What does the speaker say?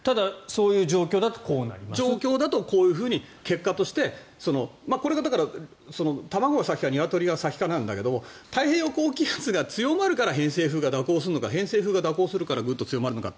そういう状況だとこういうふうに結果としてこれがだから卵が先かニワトリが先かなんだけど太平洋高気圧が強まるから偏西風が蛇行するのか偏西風が蛇行するからグッと強まるのか。